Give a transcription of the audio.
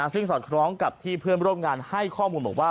ซึ่งสอดคล้องกับที่เพื่อนร่วมงานให้ข้อมูลบอกว่า